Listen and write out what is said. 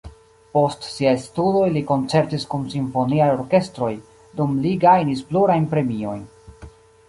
Post siaj studoj li koncertis kun simfoniaj orkestroj, dum li gajnis plurajn premiojn.